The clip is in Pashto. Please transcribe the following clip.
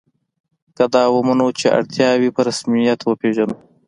که دا ومنو چې اړتیاوې په رسمیت وپېژنو.